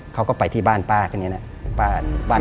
เขาก็ไปที่บ้านปลากันเนี่ยนะบ้านลักทรง